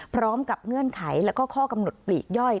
พร้อมกับเงื่อนไขแล้วก็ข้อกำหนดปลีกย่อย